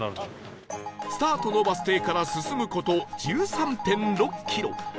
スタートのバス停から進む事 １３．６ キロ